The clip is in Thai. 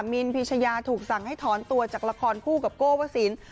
มินพิชยาถูกสั่งให้ถอนตัวจากละครคู่กับโก้วสิน